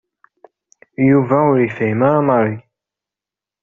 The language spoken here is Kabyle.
Yuba ur yefhim ara Mary.